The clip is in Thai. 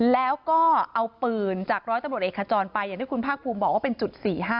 แล้วก็เอาปืนจากร้อยตำรวจเอกขจรไปอย่างที่คุณภาคภูมิบอกว่าเป็นจุด๔๕